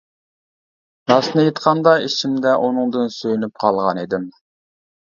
راستىنى ئېيتقاندا ئىچىمدە ئۇنىڭدىن سۆيۈنۈپ قالغان ئىدىم.